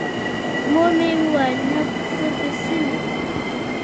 مور مې وويل نه څه پې سوي دي.